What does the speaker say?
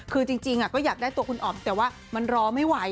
คือจริงก็อยากได้ตัวคุณอ๋อมแต่ว่ามันรอไม่ไหว